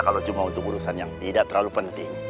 kalau cuma untuk urusan yang tidak terlalu penting